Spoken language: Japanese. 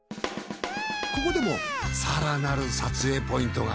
ここでも更なる撮影ポイントが。